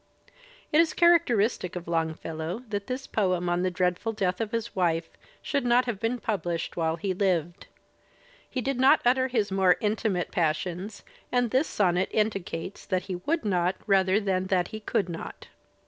It is characteristic of Longfellow that this poem on the dreadful death of his wife should not have been published while he lived. He did not utter his more intimate passions, and this sonnet indicates that he would not rather than that he could not.